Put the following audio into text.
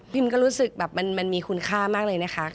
ก็รู้สึกแบบมันมีคุณค่ามากเลยนะคะ